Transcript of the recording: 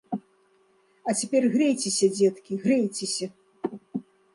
А цяпер грэйцеся, дзеткі, грэйцеся!